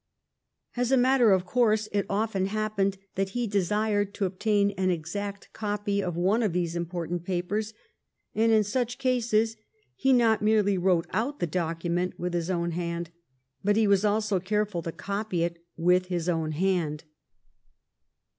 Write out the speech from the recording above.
As a matter of course it often happened that he desired to obtain an exact copy of one of these important papers, and in such cases he not merely wrote out the document with his own hand, but was also careful to copy it with his own hand.